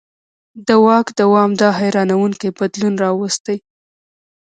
د واک دوام دا حیرانوونکی بدلون راوستی.